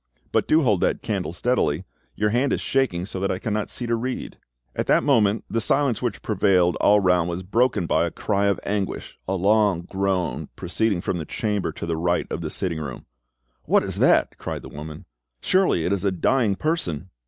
But do hold that candle steadily; your hand is shaking so that I cannot see to read." At that moment the silence which prevailed all round was broken by a cry of anguish, a long groan proceeding from the chamber to the right of the sitting room. "What is that?" cried the woman. "Surely it is a dying person!"